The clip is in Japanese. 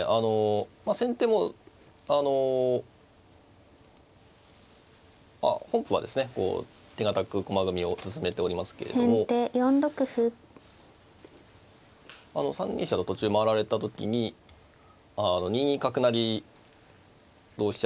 先手もあの本譜はですね手堅く駒組みを進めておりますけれども３二飛車と途中回られた時に２二角成同飛車